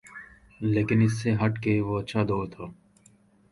لیکن اس سے ہٹ کے وہ اچھا دور تھا۔